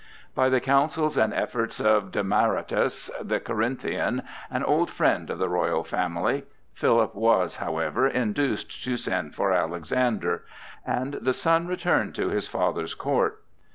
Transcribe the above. By the counsels and efforts of Demaratus, the Corinthian, an old friend of the royal family, Philip was, however, induced to send for Alexander, and the son returned to his father's court.